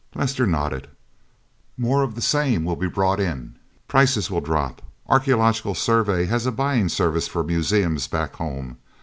Lester nodded. "More of the same will be brought in. Prices will drop. Archeological Survey has a buying service for museums back home.